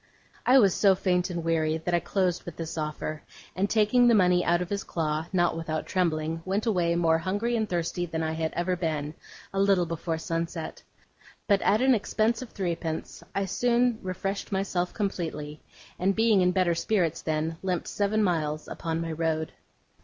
I was so faint and weary that I closed with this offer; and taking the money out of his claw, not without trembling, went away more hungry and thirsty than I had ever been, a little before sunset. But at an expense of threepence I soon refreshed myself completely; and, being in better spirits then, limped seven miles upon my road.